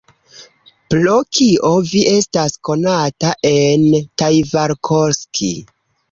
Pro kio vi estas konata en Taivalkoski?